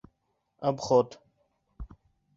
Обход!